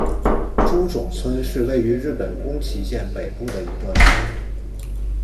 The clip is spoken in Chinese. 诸冢村是位于日本宫崎县北部的一个村。